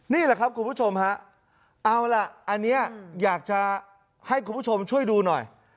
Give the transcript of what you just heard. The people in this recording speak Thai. นี่แหละครับคุณผู้ชมฮะเอาล่ะอันนี้อยากจะให้คุณผู้ชมช่วยดูหน่อย